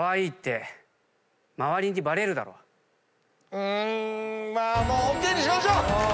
うーんもうＯＫにしましょう。